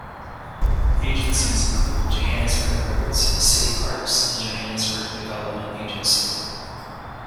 Agencies include Johannesburg Roads, City Parks and Johannesburg Development Agency.